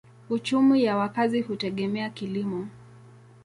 Uchumi ya wakazi hutegemea kilimo.